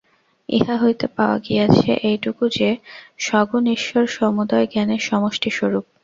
ইহা হইতে পাওয়া গিয়াছে এইটুকু যে, সগুণ ঈশ্বর সমুদয় জ্ঞানের সমষ্টিস্বরূপ।